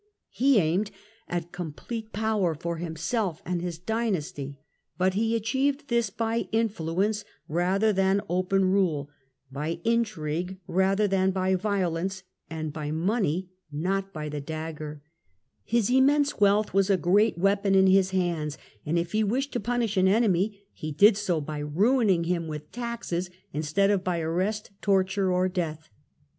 He aimed at complete power for himself and his dynasty ; but he achieved this by influ ence rather than open rule, by intrigue rather than by violence and by money not by the dagger. His immense ITALY, 1382 1453 201 wealth was a great weapon in his hands ; and if he wished to punish an enemy he did so by ruining him with taxes, instead of by arrest, torture, or death.